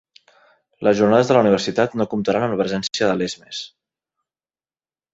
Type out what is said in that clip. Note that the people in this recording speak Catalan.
Les jornades de la Universitat no comptaran amb la presència de Lesmes